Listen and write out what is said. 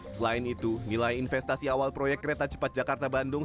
selain itu nilai investasi awal proyek kereta cepat jakarta bandung